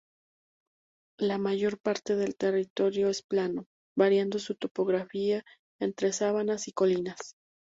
La mayor parte del territorio es plano, variando su topografía entre sabanas y colinas.